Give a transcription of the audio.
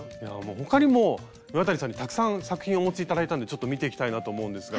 他にも岩谷さんにたくさん作品をお持ち頂いたんでちょっと見ていきたいなと思うんですが。